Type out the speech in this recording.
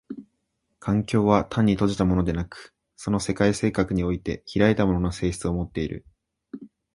環境は単に閉じたものでなく、その世界性格において開いたものの性質をもっている。